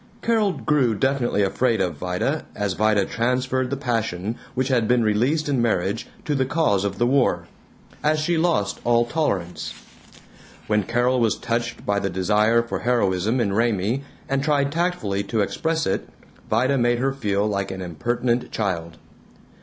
Carol grew definitely afraid of Vida as Vida transferred the passion which had been released in marriage to the cause of the war; as she lost all tolerance. When Carol was touched by the desire for heroism in Raymie and tried tactfully to express it, Vida made her feel like an impertinent child.